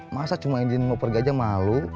masa cuma izin mau pergi aja malu